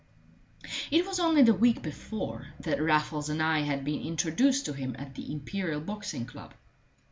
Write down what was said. It was only the week before that Raffles and I had been introduced to him at the Imperial Boxing Club.